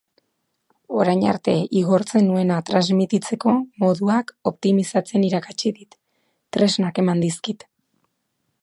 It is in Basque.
Orain arte igortzen nuena transmititzeko moduak optimizatzen irakatsi dit, tresnak eman dizkit.